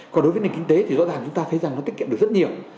còn đối với nền kinh tế thì rõ ràng chúng ta thấy rằng nó tiết kiệm được rất nhiều